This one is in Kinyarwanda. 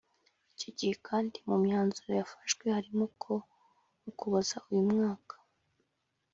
Icyo gihe kandi mu myanzuro yafashwe harimo ko mu Ukuboza uyu mwaka